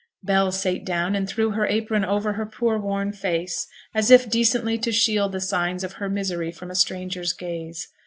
Bell sate down, and threw her apron over her poor worn face, as if decently to shield the signs of her misery from a stranger's gaze.